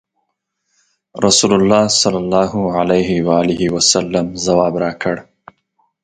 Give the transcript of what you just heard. رسول الله صلی الله علیه وسلم ځواب راکړ.